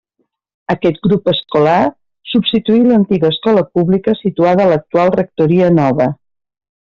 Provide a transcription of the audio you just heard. Aquest grup escolar substituí l'antiga Escola Pública situada a l'actual rectoria nova.